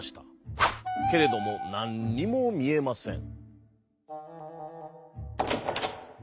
けれどもなんにもみえません。